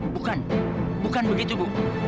bukan bukan begitu bu